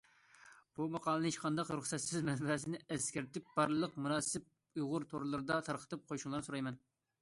بۇ ماقالىنى ھېچقانداق رۇخسەتسىز، مەنبەسىنى ئەسكەرتىپ بارلىق مۇناسىپ ئۇيغۇر تورلىرىدا تارقىتىپ قويۇشۇڭلارنى سورايمەن.